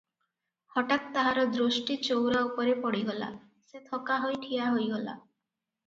ହଠାତ୍ ତାହାର ଦୃଷ୍ଟି ଚଉରା ଉପରେ ପଡ଼ିଗଲା, ସେ ଥକାହୋଇ ଠିଆ ହୋଇଗଲା ।